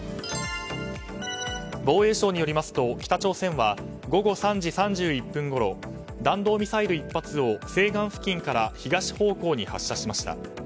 防衛省によりますと北朝鮮は午後３時３１分ごろ弾道ミサイル１発を西岸付近から東方向に発射しました。